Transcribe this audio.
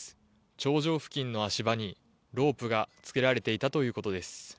頂上付近の足場にロープがつけられたということです。